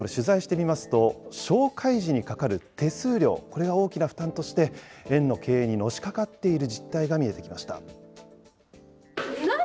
ただこれ、取材してみますと、紹介時にかかる手数料、これが大きな負担として、園の経営にのしかかっている実態が見えてきました。